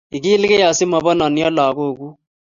igilgei asi mabanennyo lagokuk